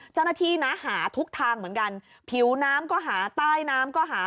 เจ้าหน้าที่นะหาทุกทางเหมือนกันผิวน้ำก็หาใต้น้ำก็หา